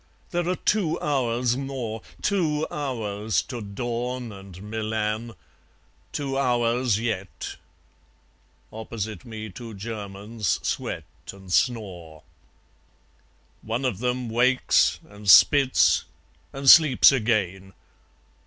There are two hours more; Two hours to dawn and Milan; two hours yet. Opposite me two Germans sweat and snore. ... One of them wakes, and spits, and sleeps again.